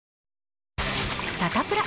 サタプラ。